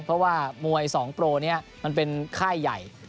เพราะว่ามวย๒โปรนี้มันเป็นค่ายใหญ่